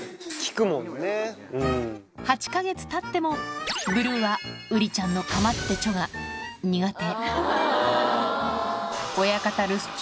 ８か月たっても、ブルーはウリちゃんのかまってちょが苦手。